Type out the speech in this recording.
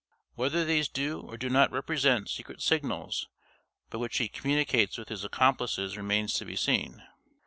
Whether these do or do not represent secret signals by which he communicates with his accomplices remains to be seen.